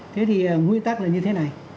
thế thì nguyên tắc là như thế này